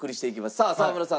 さあ沢村さん